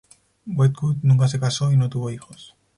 Wedgwood nunca se casó y no tuvo hijos.